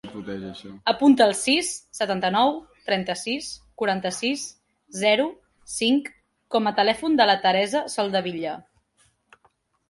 Apunta el sis, setanta-nou, trenta-sis, quaranta-sis, zero, cinc com a telèfon de la Teresa Soldevilla.